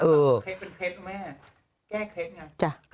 เทปแม่แก้เทป